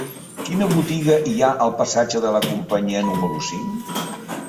Quina botiga hi ha al passatge de la Companyia número cinc?